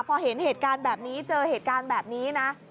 พอเห็นเหตุการณ์แบบนี้เจอเหตุการณ์แบบนี้นะ